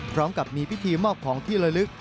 พร้อมกับมีพิธีมอบของที่ละลึก